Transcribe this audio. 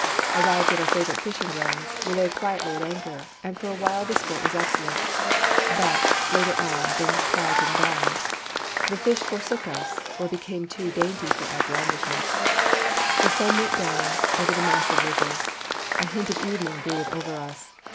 Arrived at our favourite fishing grounds, we lay quietly at anchor, and for a while the sport was excellent. But, later on, things quietened down. The fish forsook us, or became too dainty for our blandishments. The sun went down over the massive ridges. A hint of evening brooded over us.